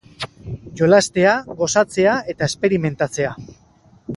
Jolastea, gozatzea eta esperimentatzea.